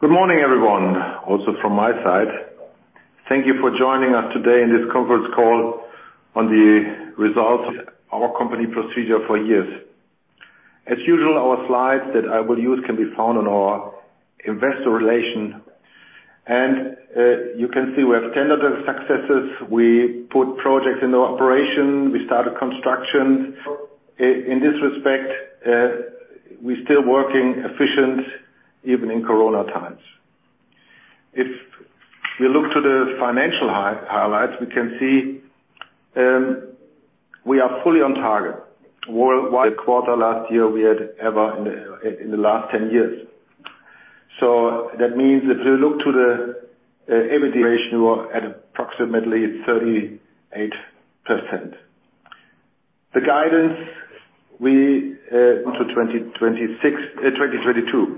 Good morning everyone, also from my side. Thank you for joining us today in this conference call on the results of our company procedure for years. As usual, our slides that I will use can be found on our investor relations. You can see we have standard successes. We put projects into operation. We started construction. In this respect, we're still working efficiently even in COVID times. If we look to the financial highlights, we can see we are fully on target worldwide. The [best] quarter last year we had ever in the last 10 years. That means if you look to the EBITDA, we were at approximately 38%. The guidance into 2022.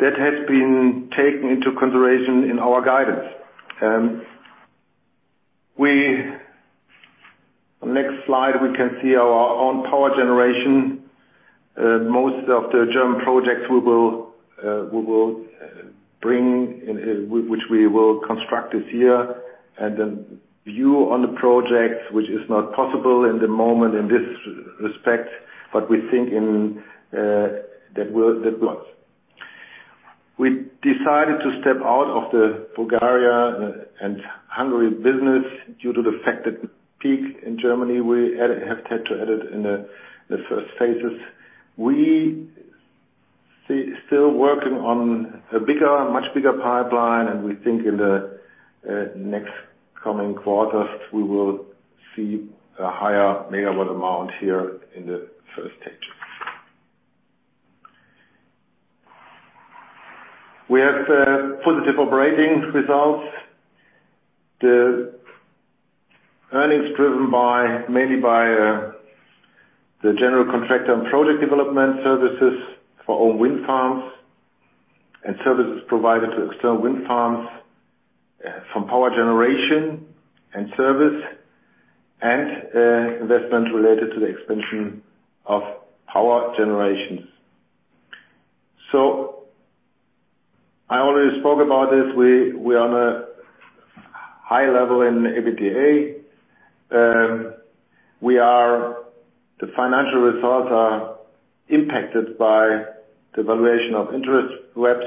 That has been taken into consideration in our guidance. Next slide, we can see our own power generation. Most of the German projects, which we will construct this year and then view on the project which is not possible in the moment in this respect. We decided to step out of the Bulgaria and Hungary business due to the fact that PV in Germany, we have had to add it in the first phases. We are still working on a much bigger pipeline, and we think in the next coming quarters, we will see a higher megawatt amount here in the first stages. We have positive operating results, the earnings driven mainly by the general contractor and project development services for own wind farms and services provided to external wind farms from power generation and service and investment related to the expansion of power generations. I already spoke about this. We are on a high level in EBITDA. The financial results are impacted by the valuation of interest swaps,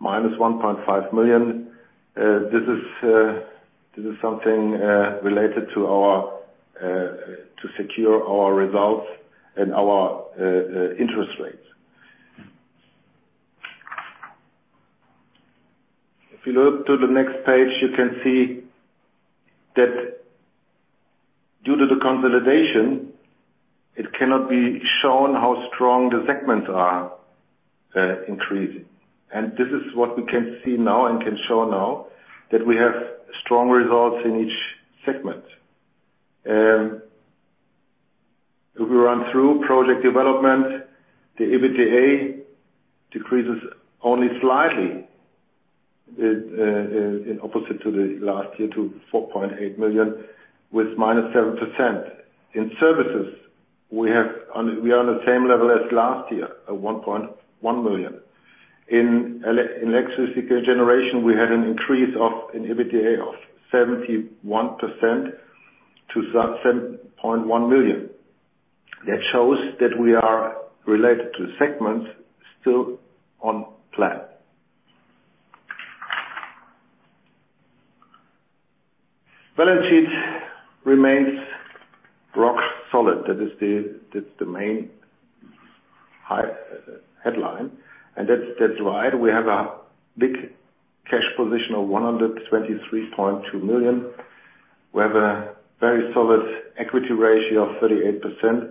-1.5 million. This is something related to secure our results and our interest rates. If you look to the next page, you can see that due to the consolidation, it cannot be shown how strong the segments are increasing. This is what we can see now and can show now, that we have strong results in each segment. If we run through project development, the EBITDA decreases only slightly in opposite to the last year to 4.8 million with -7%. In Services, we are on the same level as last year, at 1.1 million. In Electricity Generation, we had an increase in EBITDA of 71% to 7.1 million. That shows that we are related to segments still on plan. Balance sheet remains rock solid. That is the main headline, and that's right. We have a big cash position of 123.2 million. We have a very solid equity ratio of 38%.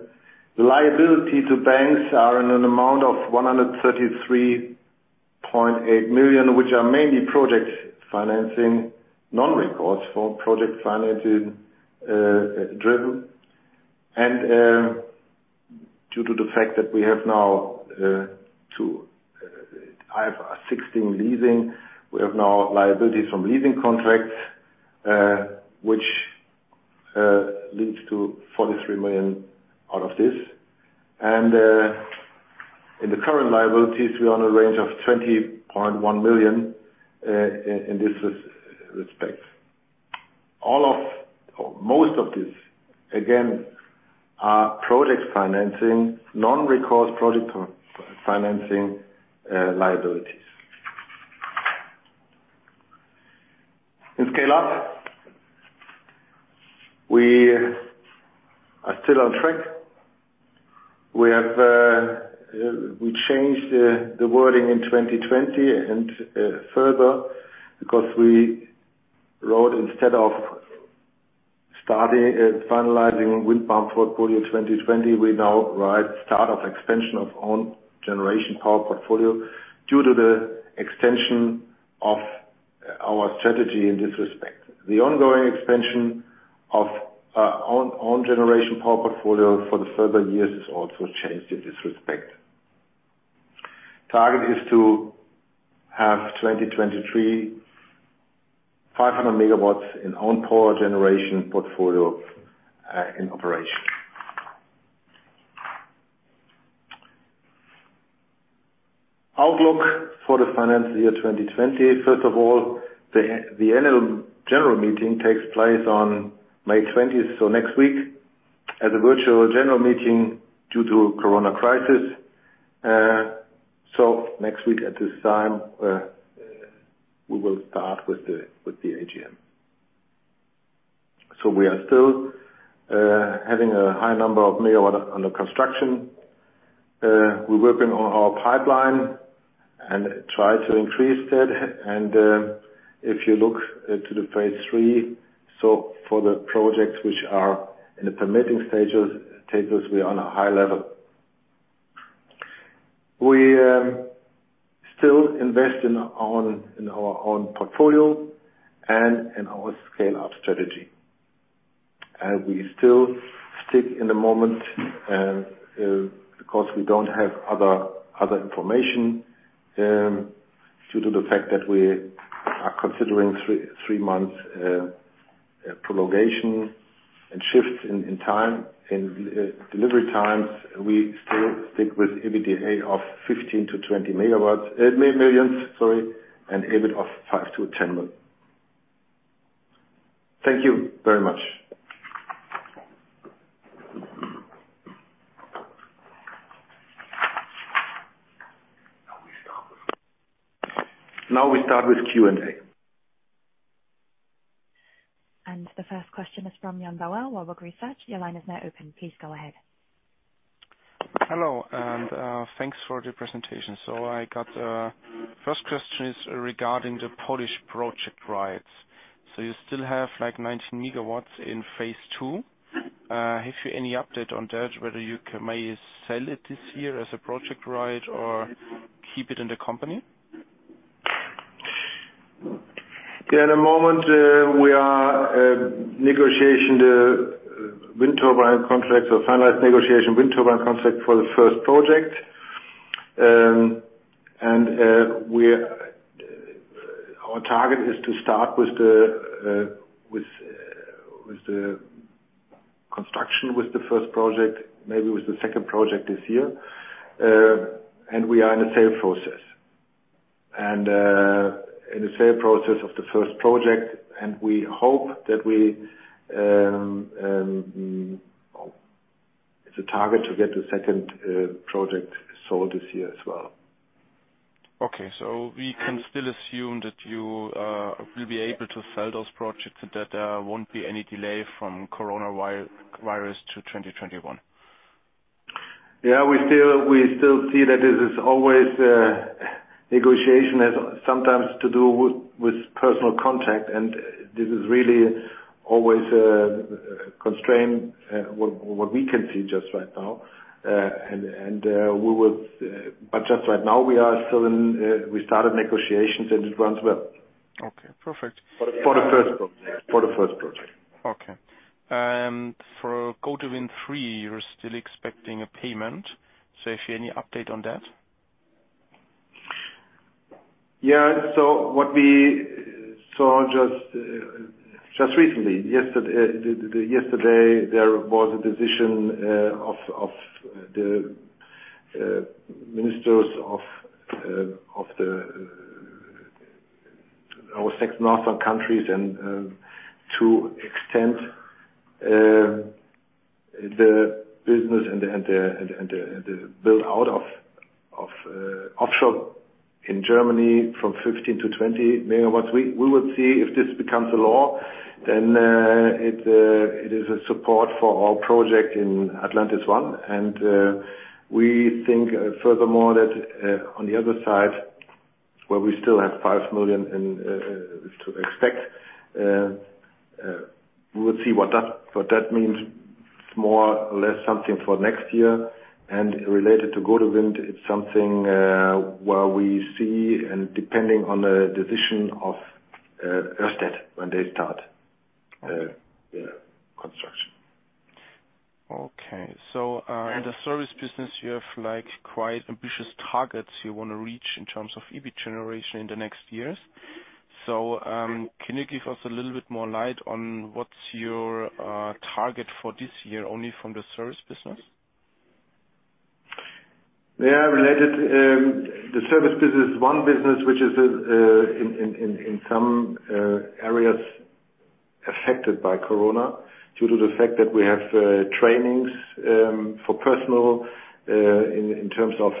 Liability to banks are in an amount of 133.8 million, which are mainly project financing, non-recourse for project financing driven. Due to the fact that we have now IFRS 16 leasing, we have now liabilities from leasing contracts, which leads to 43 million out of this. In the current liabilities, we are on a range of 20.1 million in this respect. Most of this, again, are project financing, non-recourse project financing liabilities. In Scale Up, we are still on track. We changed the wording in 2020 and further because we wrote instead of finalizing wind farm portfolio 2020, we now write start of expansion of own generation power portfolio due to the extension of our strategy in this respect. The ongoing expansion of our own generation power portfolio for the further years is also changed in this respect. Target is to have 2023, 500 MW in own power generation portfolio in operation. Outlook for the financial year 2020. First of all, the Annual General Meeting takes place on May 20th, next week, as a virtual general meeting due to corona crisis. Next week at this time, we will start with the AGM. We are still having a high number of megawatts under construction. We're working on our pipeline and try to increase that. If you look to the phase III, for the projects which are in the permitting stages, we are on a high level. We still invest in our own portfolio and in our scale-out strategy. We still stick in the moment, because we don't have other information, due to the fact that we are considering three months prolongation and shifts in delivery times, we still stick with EBITDA of 15 million-20 million and EBIT of 5 million-10 million. Thank you very much. Now we start with Q&A. The first question is from Jan Bauer, Warburg Research. Your line is now open. Please go ahead. Hello, thanks for the presentation. I got first question is regarding the Polish project rights. You still have 19 MW in phase II. Have you any update on that, whether you may sell it this year as a project right or keep it in the company? Yeah, in the moment, we are in negotiation for wind turbine contract or finalized negotiation wind turbine contract for the first project. Our target is to start with the construction with the first project, maybe with the second project this year. We are in the sale process. In the sale process of the first project, and we hope that it's a target to get the second project sold this year as well. Okay. We can still assume that you will be able to sell those projects and that there won't be any delay from coronavirus to 2021? Yeah, we still see that this is always, negotiation has sometimes to do with personnel contact, and this is really always a constraint, what we can see just right now. Just right now, we started negotiations, and it runs well. Okay, perfect. For the first project. Okay. For Gode Wind 3, you're still expecting a payment, so if you have any update on that? Yeah, what we saw just recently, yesterday, there was a decision of the ministers of our six northern countries to extend the business and the build out of offshore in Germany from 15 MW to 20 MW. We will see if this becomes a law, then it is a support for our project in Atlantis I. We think furthermore that on the other side, where we still have 5 million to expect, we will see what that means. It's more or less something for next year. Related to Gode Wind, it's something where we see and depending on the decision of Ørsted when they start their construction. Okay. In the service business, you have quite ambitious targets you want to reach in terms of EBIT generation in the next years. Can you give us a little bit more light on what's your target for this year, only from the Service business? Yeah. The Service business is one business which is in some areas affected by corona due to the fact that we have trainings for personnel, in terms of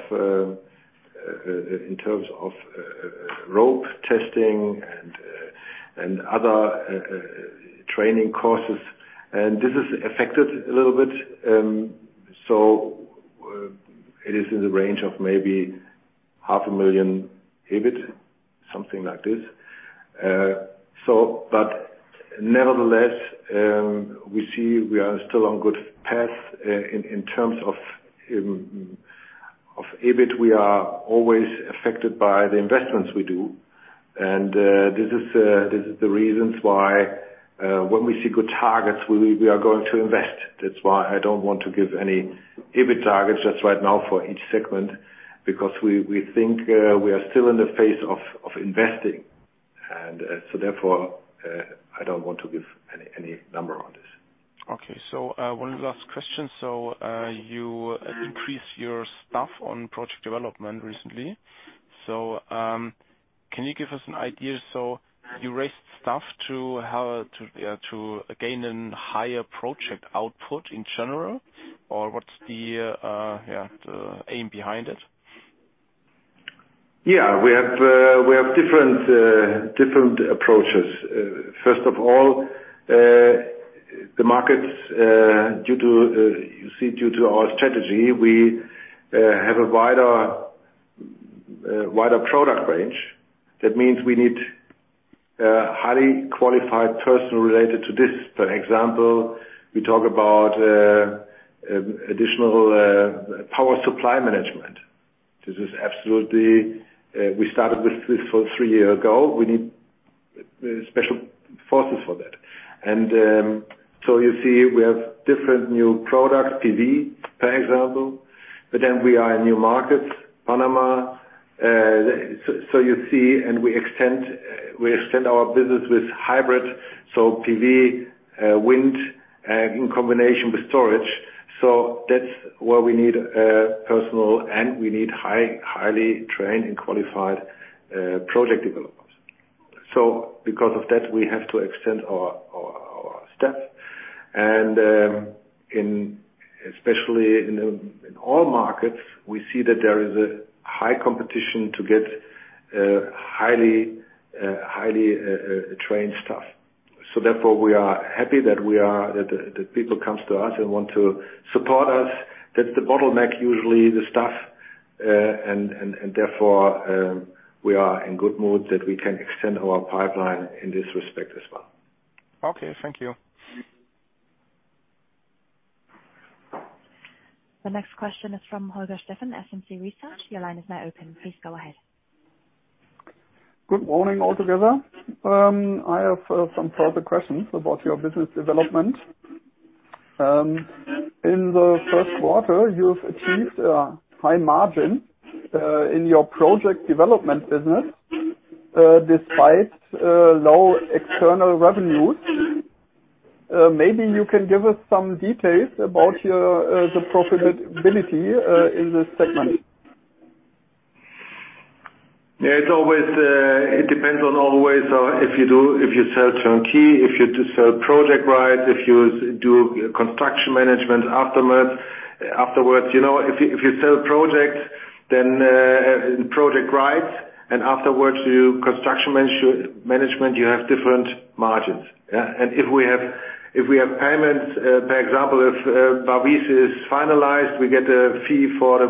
rope testing and other training courses. This is affected a little bit. It is in the range of maybe 500,000 EBIT, something like this. Nevertheless, we see we are still on good path in terms of EBIT. We are always affected by the investments we do. This is the reasons why when we see good targets, we are going to invest. That's why I don't want to give any EBIT targets just right now for each segment, because we think we are still in the phase of investing. Therefore, I don't want to give any number on this. Okay. One last question. You increased your staff on project development recently. Can you give us an idea? You raised staff to gain a higher project output in general, or what's the aim behind it? Yeah. We have different approaches. First of all, the markets, you see due to our strategy, we have a wider product range. That means we need highly qualified personnel related to this. For example, we talk about additional power supply management. We started with this three years ago. We need special forces for that. You see we have different new products, PV, for example, we are in new markets, Panama. You see, and we extend our business with hybrid, so PV, wind, in combination with storage. That's where we need personnel and we need highly trained and qualified project developers. Because of that, we have to extend our staff. Especially in all markets, we see that there is a high competition to get highly trained staff. Therefore, we are happy that people come to us and want to support us. The bottleneck is usually the staff, and therefore, we are in good mood that we can extend our pipeline in this respect as well. Okay. Thank you. The next question is from Holger Steffen, SMC Research. Your line is now open. Please go ahead. Good morning, all together. I have some further questions about your business development. In the first quarter, you've achieved a high margin in your project development business, despite low external revenues. Maybe you can give us some details about the profitability in this segment. Yeah, it depends on always if you sell turnkey, if you sell project rights, if you do construction management afterwards. If you sell project, then project rights, and afterwards you do construction management, you have different margins. Yeah. If we have payments, for example, if Barwice is finalized, we get a fee for the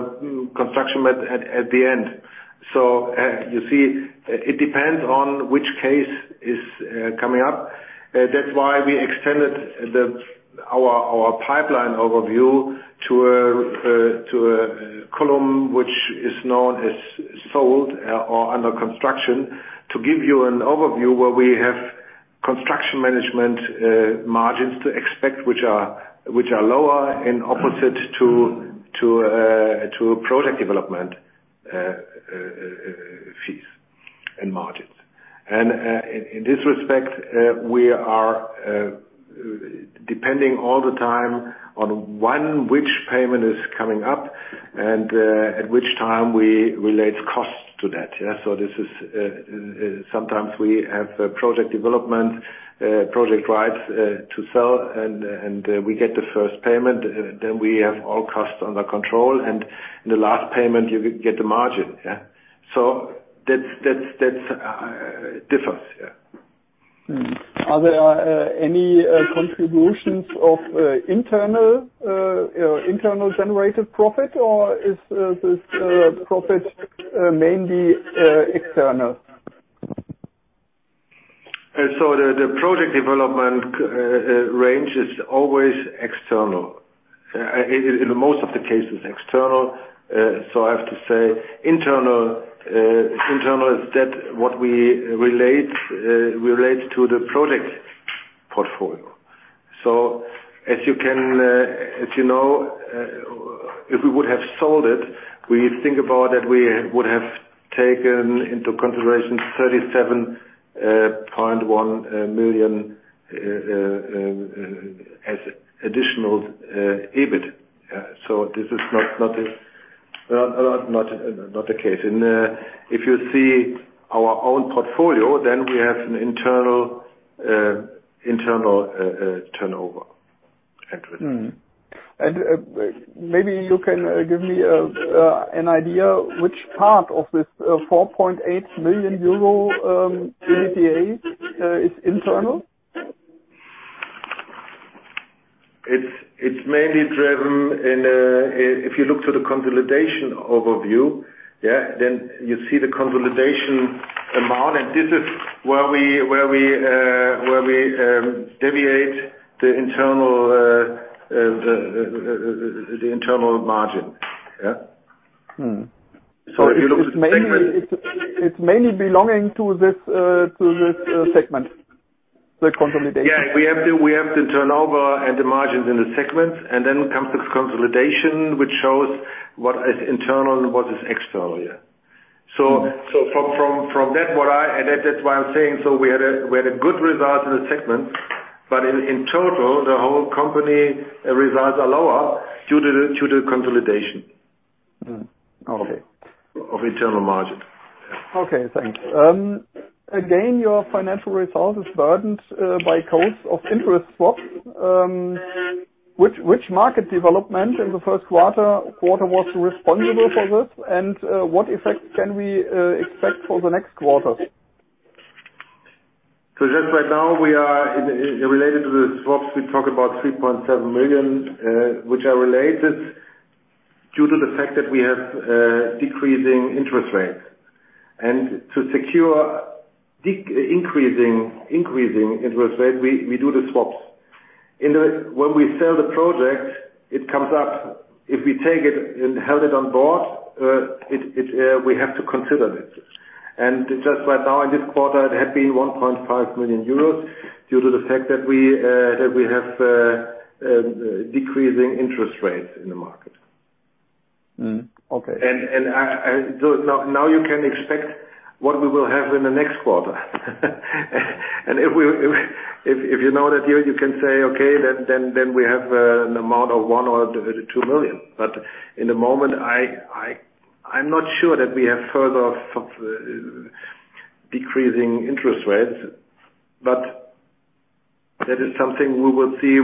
construction at the end. You see, it depends on which case is coming up. That's why we extended our pipeline overview to a column which is known as sold or under construction, to give you an overview where we have construction management margins to expect, which are lower in opposite to project development fees and margins. In this respect, we are depending all the time on one, which payment is coming up and at which time we relate costs to that. Yeah. Sometimes we have project development, project rights, to sell and we get the first payment, then we have all costs under control, and in the last payment, you get the margin. Yeah. That differs. Yeah. Are there any contributions of internal generated profit, or is this profit mainly external? The project development range is always external. In the most of the cases, external. I have to say internal, is that what we relate to the project portfolio. As you know, if we would have sold it, we think about that we would have taken into consideration 37.1 million as additional EBIT. This is not the case. If you see our own portfolio, then we have an internal turnover entry. Maybe you can give me an idea which part of this 4.8 million euro EBITDA is internal? It's mainly driven in, if you look to the consolidation overview, yeah, you see the consolidation amount. This is where we deviate the internal margin. Yeah. if you look at the segment. It's mainly belonging to this segment. The consolidation? Yeah. We have the turnover and the margins in the segments, and then comes the consolidation, which shows what is internal and what is external. From that's why I'm saying, we had a good result in the segment, but in total, the whole company results are lower due to the consolidation. Okay. Of internal margin. Okay, thanks. Again, your financial result is burdened by cost of interest swaps. Which market development in the first quarter was responsible for this, and what effect can we expect for the next quarter? Just right now, related to the swaps, we talk about 3.7 million, which are related due to the fact that we have decreasing interest rates. To secure increasing interest rate, we do the swaps. When we sell the project, it comes up. If we take it and held it on board, we have to consider it. Just right now in this quarter, it had been -1.5 million euros due to the fact that we have decreasing interest rates in the market. Okay. Now you can expect what we will have in the next quarter. If you know that here, you can say, okay, then we have an amount of 1 million or 2 million. In the moment, I'm not sure that we have further decreasing interest rates, but that is something we will see.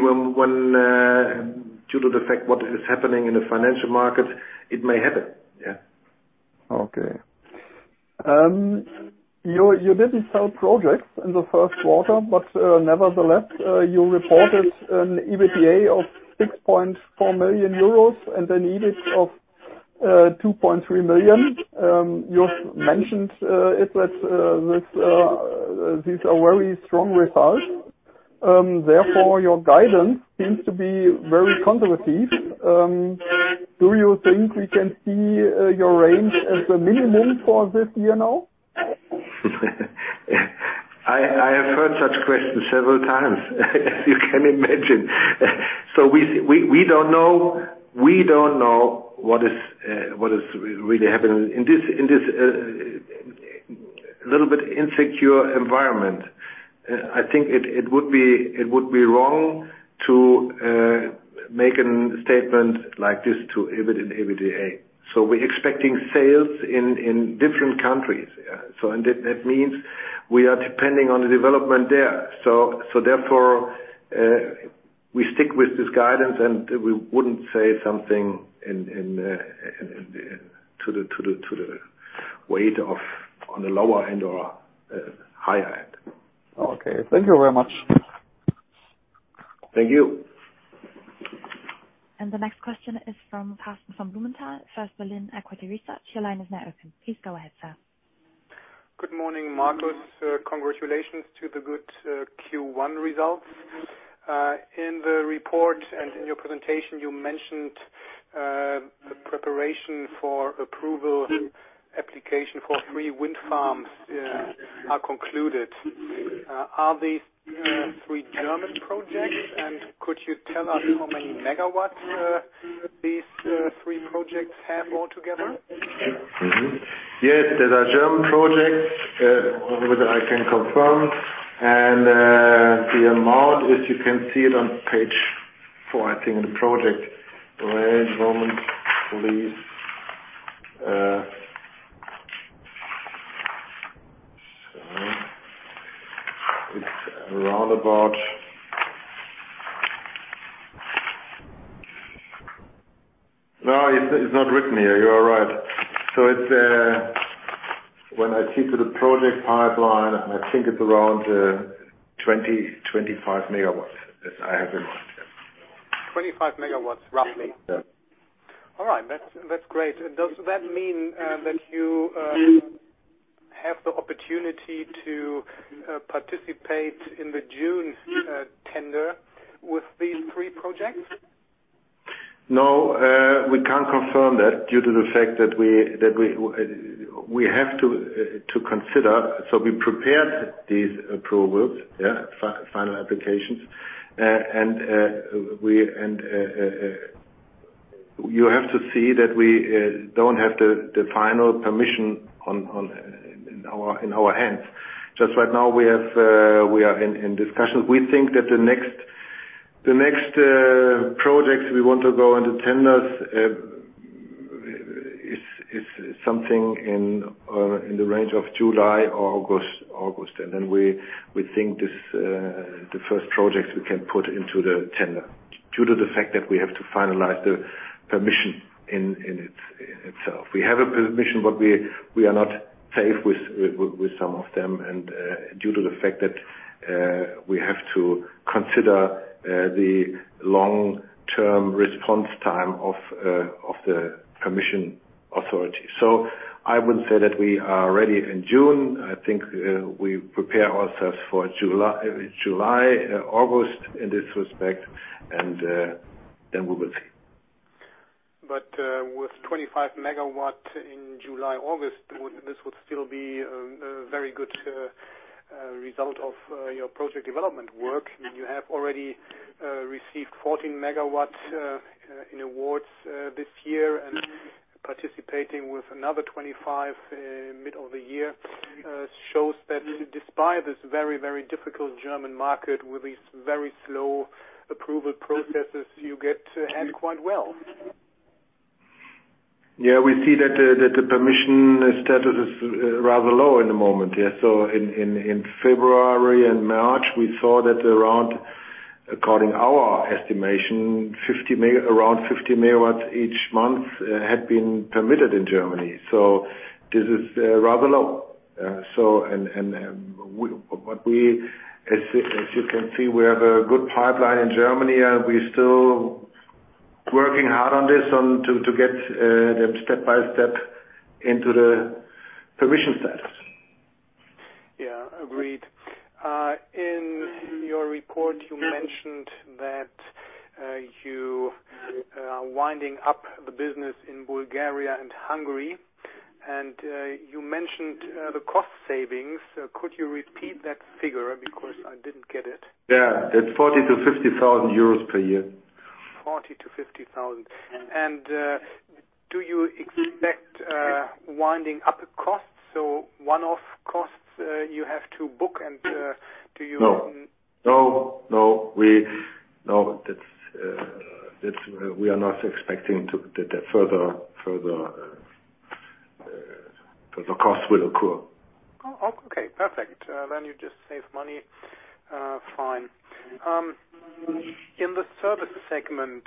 Due to the fact what is happening in the financial market, it may happen. Yeah. Okay. You didn't sell projects in the first quarter, but nevertheless, you reported an EBITDA of 6.4 million euros and an EBIT of 2.3 million. You mentioned it that these are very strong results. Therefore, your guidance seems to be very conservative. Do you think we can see your range as a minimum for this year now? I have heard such questions several times, as you can imagine. We don't know what is really happening in this little bit insecure environment. I think it would be wrong to make a statement like this to EBIT and EBITDA. We're expecting sales in different countries. That means we are depending on the development there. Therefore, we stick with this guidance, and we wouldn't say something to the weight on the lower end or higher end. Okay. Thank you very much. Thank you. The next question is from Karsten von Blumenthal, First Berlin Equity Research. Your line is now open. Please go ahead, sir. Good morning, Markus. Congratulations to the good Q1 results. In the report and in your presentation, you mentioned the preparation for approval application for three wind farms are concluded. Are these three German projects, and could you tell us how many megawatts these three projects have altogether? Yes, they are German projects. That I can confirm. The amount is, you can see it on page four, I think, in the project. One moment please. No, it's not written here. You are right. When I see to the project pipeline, I think it's around 20 MW, 25 MW, if I have in mind, yeah. 25 MW, roughly? Yeah. All right. That's great. Does that mean that you have the opportunity to participate in the June tender with these three projects? No, we can't confirm that due to the fact that we have to consider. We prepared these approvals, final applications. You have to see that we don't have the final permission in our hands. Just right now, we are in discussions. We think that the next projects we want to go in the tenders is something in the range of July or August. Then we think the first projects we can put into the tender due to the fact that we have to finalize the permission in itself. We have a permission, but we are not safe with some of them and due to the fact that we have to consider the long-term response time of the commission authority. I wouldn't say that we are ready in June. I think we prepare ourselves for July, August, in this respect, and then we will see. But with 25 MW in July, August, this would still be a very good result of your project development work. You have already received 14 MW in awards this year, and participating with another 25 MW in middle of the year shows that despite this very, very difficult German market, with these very slow approval processes, you get ahead quite well. Yeah, we see that the permission status is rather low in the moment. In February and March, we saw that around, according our estimation, around 50 MW each month had been permitted in Germany. This is rather low. As you can see, we have a good pipeline in Germany and we're still working hard on this to get them step by step into the permission status. Yeah, agreed. In your report, you mentioned that you are winding up the business in Bulgaria and Hungary. You mentioned the cost savings. Could you repeat that figure because I didn't get it? Yeah. It's 40,000-50,000 euros per year. 40,000-50,000. Do you expect winding up costs, so one-off costs you have to book? No. We are not expecting that further costs will occur. Okay. Perfect. You just save money. Fine. In the service segment,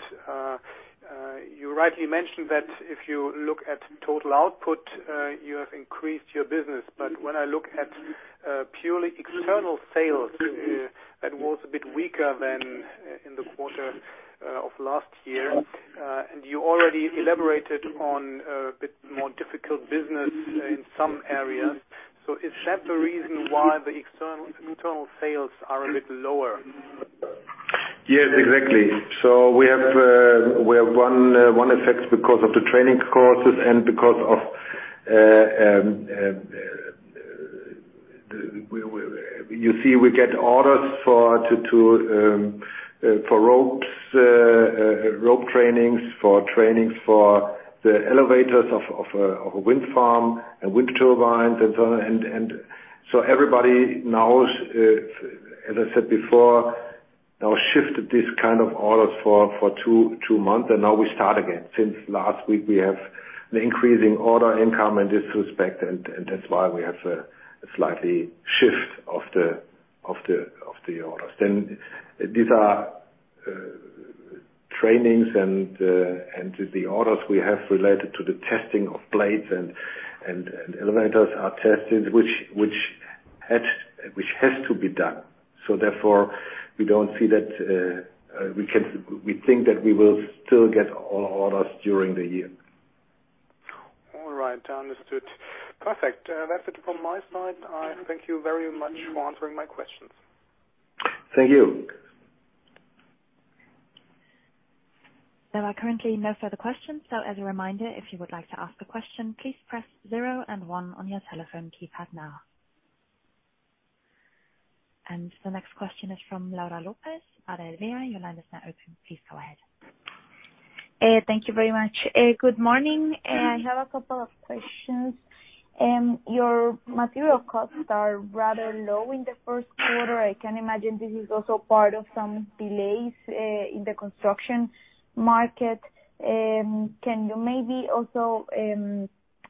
you rightly mentioned that if you look at total output, you have increased your business. When I look at purely external sales, that was a bit weaker than in the quarter of last year. You already elaborated on a bit more difficult business in some areas. Is that the reason why the internal sales are a bit lower? Yes, exactly. We have one effect because of the training courses. You see we get orders for ropes, rope trainings, for trainings for the elevators of a wind farm and wind turbines. Everybody now, as I said before, shifted these kind of orders for two months, and now we start again. Since last week, we have an increasing order income in this respect, and that's why we have a slightly shift of the orders. These are trainings and the orders we have related to the testing of blades and elevators are tested, which has to be done. Therefore, we don't think that we will still get all orders during the year. All right. Understood. Perfect. That's it from my side. I thank you very much for answering my questions. Thank you. There are currently no further questions. As a reminder, if you would like to ask a question, please press zero and one on your telephone keypad now. The next question is from Laura Lopez at Baader Helvea. Your line is now open. Please go ahead. Thank you very much. Good morning. I have a couple of questions. Your material costs are rather low in the first quarter. I can imagine this is also part of some delays in the construction market. Can you maybe also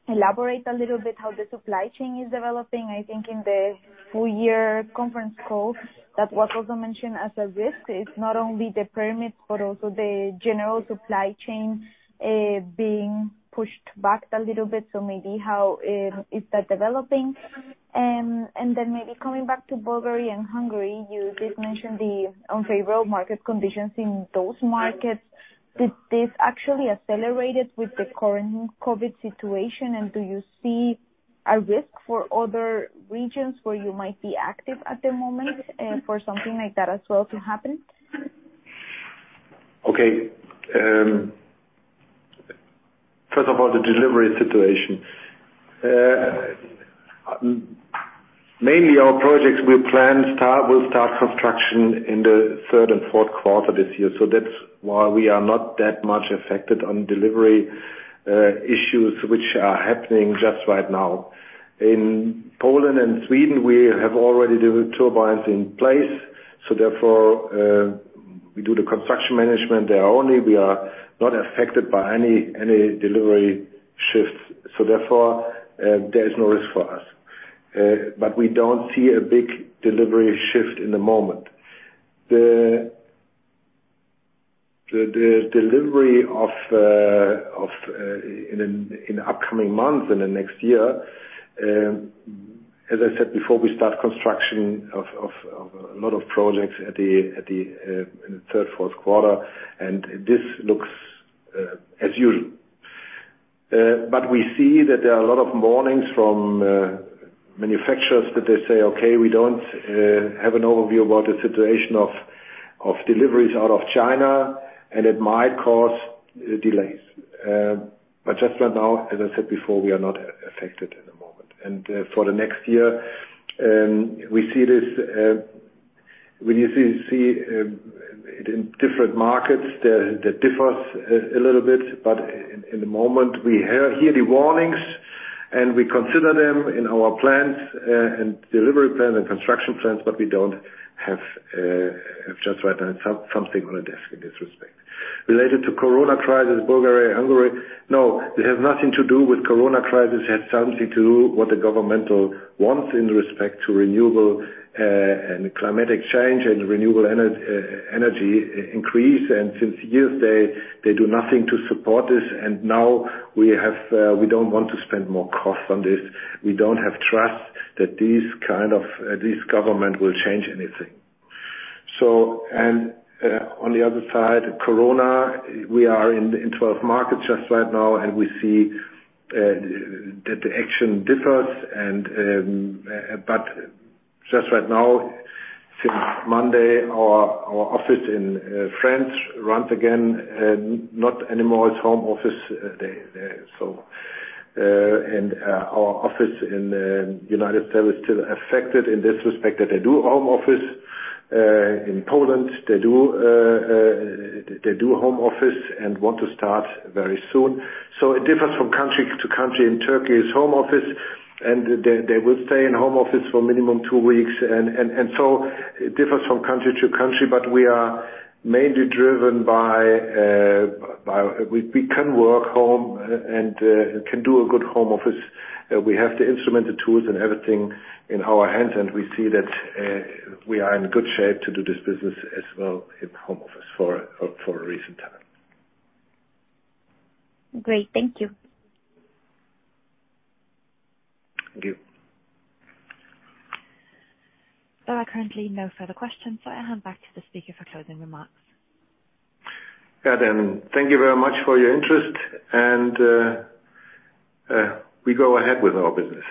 elaborate a little bit how the supply chain is developing? I think in the full year conference call, that was also mentioned as a risk. It's not only the permits, but also the general supply chain being pushed back a little bit. Maybe how is that developing? Then maybe coming back to Bulgaria and Hungary, you did mention the unfavorable market conditions in those markets. Did this actually accelerated with the current COVID situation, and do you see a risk for other regions where you might be active at the moment for something like that as well to happen? Okay. First of all, the delivery situation. Mainly our projects we planned will start construction in the third and fourth quarter this year. That's why we are not that much affected on delivery issues which are happening just right now. In Poland and Sweden, we have already the wind turbines in place, therefore, we do the construction management there only. We are not affected by any delivery shifts. Therefore, there is no risk for us. We don't see a big delivery shift in the moment. The delivery in the upcoming months, in the next year, as I said before, we start construction of a lot of projects in the third, fourth quarter, and this looks as usual. We see that there are a lot of warnings from manufacturers that they say, "Okay, we don't have an overview about the situation of deliveries out of China, and it might cause delays." Just right now, as I said before, we are not affected at the moment. For the next year, when you see it in different markets, that differs a little bit. In the moment we hear the warnings and we consider them in our plans and delivery plan and construction plans. We don't have just right now something on the desk in this respect. Related to corona crisis, Bulgaria, Hungary. No, it has nothing to do with corona crisis. It has something to do what the government wants in respect to renewable and climate change and renewable energy increase. Since years, they do nothing to support this. Now we don't want to spend more costs on this. We don't have trust that this government will change anything. On the other side, corona, we are in 12 markets just right now, and we see that the action differs. Just right now, since Monday, our office in France runs again, not anymore it's home office. Our office in U.S. is still affected in this respect that they do home office. In Poland, they do home office and want to start very soon. It differs from country to country. In Turkey, it's home office, and they will stay in home office for minimum two weeks. It differs from country to country, but we are mainly driven by, we can work home and can do a good home office. We have the instrument, the tools and everything in our hands, and we see that we are in good shape to do this business as well in home office for a recent time. Great. Thank you. Thank you. There are currently no further questions, so I hand back to the speaker for closing remarks. Thank you very much for your interest, and we go ahead with our business.